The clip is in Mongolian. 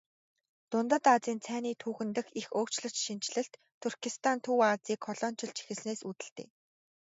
Дундад Азийн цайны түүхэн дэх их өөрчлөн шинэчлэлт Туркестан Төв Азийг колоничилж эхэлснээс үүдэлтэй.